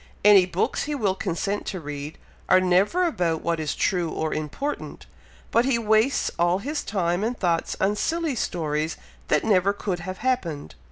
Any books he will consent to read, are never about what is true or important; but he wastes all his time and thoughts on silly stories that never could have happened.